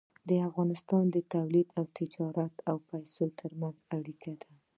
اقتصاد د تولید او تجارت او پیسو ترمنځ اړیکه ده.